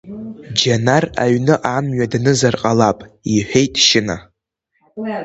Џьанар аҩныҟа амҩа данызар ҟалап, — иҳәеит Шьына.